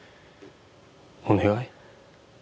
お願い？